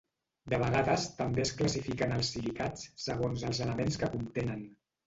De vegades també es classifiquen els silicats segons els elements que contenen.